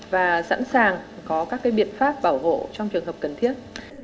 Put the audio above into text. và sẵn sàng có các biện pháp bảo hộ trong trường hợp cần thiết